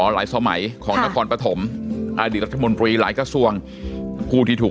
สมัยของนครปฐมอดีตรัฐมนตรีหลายกระทรวงผู้ที่ถูก